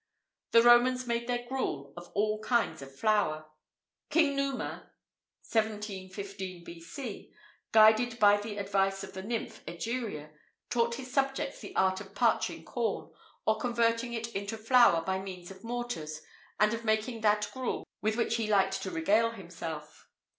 [IV 41] The Romans made their gruel of all kinds of flour. King Numa (1715 B.C.), guided by the advice of the nymph, Egeria, taught his subjects the art of parching corn, of converting it into flour by means of mortars, and of making that gruel with which he liked to regale himself.